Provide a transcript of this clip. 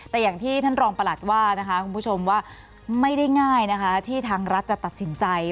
แต่อย่างที่ท่านรองประหลัดว่านะคะคุณผู้ชมว่าไม่ได้ง่ายนะคะที่ทางรัฐจะตัดสินใจ